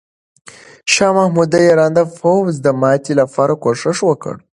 شاه محمود د ایران د پوځ د ماتې لپاره کوښښ وکړ.